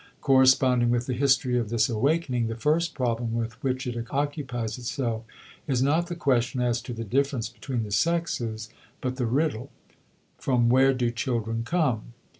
Corresponding with the history of this awakening, the first problem with which it occupies itself is not the question as to the difference between the sexes, but the riddle: from where do children come?